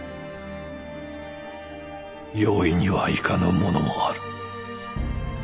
容易にはいかぬものもある。